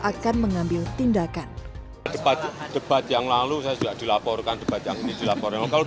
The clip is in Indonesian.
akan mengambil tindakan tepat tepat yang lalu saya juga dilaporkan debat yang dilaporkan kalau